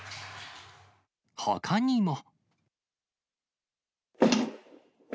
ほかにも。